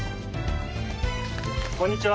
こんにちは。